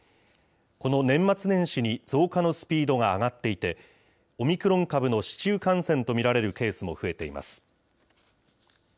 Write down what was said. この年末年始に増加のスピードが上がっていて、オミクロン株の市中感染と見られるケースも増えています。